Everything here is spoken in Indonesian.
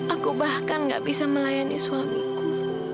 aku bahkan gak bisa melayani suamiku